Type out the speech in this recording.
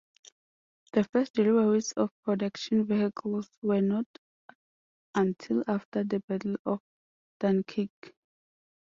The first deliveries of production vehicles were not until after the battle of Dunkirk.